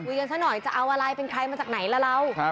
คุยกันสักหน่อยจะเอาอะไรเป็นใครมาจากไหนละเรา